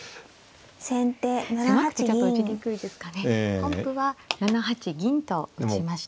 本譜は７八銀と打ちました。